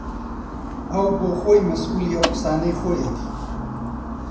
ئەو بۆ خۆی مەسئوولی ئەو قسانەی خۆیەتی